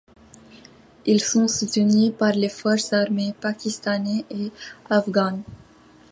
Ils sont soutenus par les forces armées pakistanaises et afghanes.